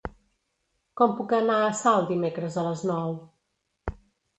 Com puc anar a Salt dimecres a les nou?